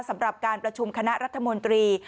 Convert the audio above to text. สำหรับการประชุมคณะรัฐมนตรี